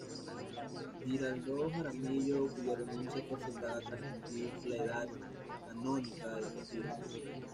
Giraldo Jaramillo, cuya renuncia fue aceptada tras cumplir la edad canónica de retiro.